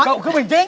cậu cứ bình tĩnh